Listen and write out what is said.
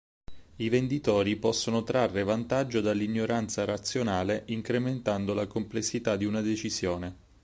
I venditori possono trarre vantaggio dall'ignoranza razionale incrementando la complessità di una decisione.